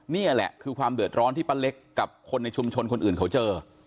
นี่แหละคือความเดือดร้อนที่ป้าเล็กกับคนในชุมชนคนอื่นเขาเจอ